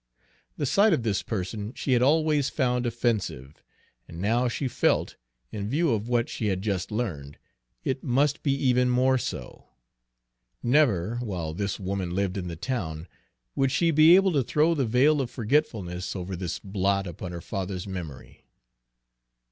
The sight of this person she had always found offensive, and now, she felt, in view of what she had just learned, it must be even more so. Never, while this woman lived in the town, would she be able to throw the veil of forgetfulness over this blot upon her father's memory.